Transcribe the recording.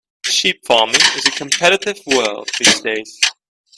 Sheep farming is a competitive world these days.